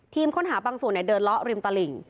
ค้นหาบางส่วนเดินเลาะริมตลิ่ง